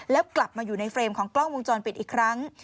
แล้วกลับมาอยู่ในเฟรมของกล้องวงจรปิดอีกครั้ง